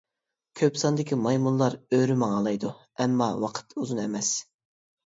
كۆپ ساندىكى مايمۇنلار ئۆرە ماڭالايدۇ، ئەمما ۋاقىت ئۇزۇن ئەمەس.